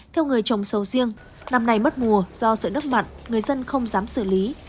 theo người trồng sâu riêng năm nay mất mùa do sự đất mặn người dân không dám xử lý